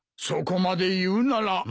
そこまで言うなら。